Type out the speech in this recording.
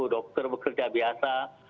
dokter bekerja biasa